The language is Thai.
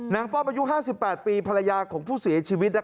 นางป้อมอายุ๕๘ปีภรรยาของผู้เสียชีวิตนะครับ